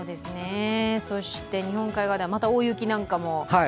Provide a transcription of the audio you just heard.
そして日本海側ではまた大雪なんかも。